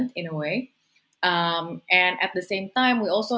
dan pada saat yang sama kami juga membantu